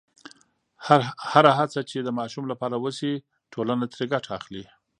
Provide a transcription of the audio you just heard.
هره هڅه چې د ماشوم لپاره وشي، ټولنه ترې ګټه اخلي.